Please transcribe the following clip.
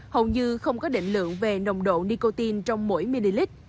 hầu như không có định lượng về nồng độ nicotine trong mỗi ml